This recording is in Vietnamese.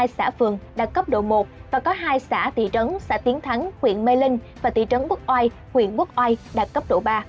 ba trăm ba mươi hai xã phường đạt cấp độ một và có hai xã thị trấn xã tiến thắng huyện mê linh và thị trấn quốc oai huyện quốc oai đạt cấp độ ba